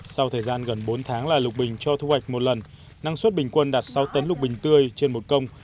sau thời gian gần bốn tháng là lục bình cho thu hoạch một lần năng suất bình quân đạt sáu tấn lục bình tươi trên một công